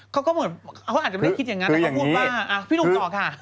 เขาเหมือนมันอาจจะหายรูปไม่ได้คิดอย่างนั้นแล้วก็ว่าพี่หนุ่มตอบค่ะ